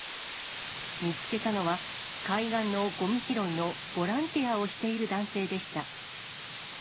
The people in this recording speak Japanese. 見つけたのは、海岸のごみ拾いのボランティアをしている男性でした。